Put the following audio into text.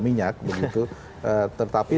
minyak begitu tetapi